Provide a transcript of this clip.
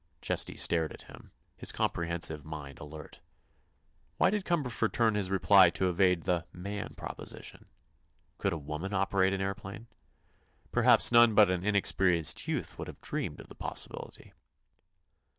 Chesty stared at him, his comprehensive mind alert. Why did Cumberford turn his reply to evade the "man" proposition? Could a woman operate an aëroplane? Perhaps none but an inexperienced youth would have dreamed of the possibility.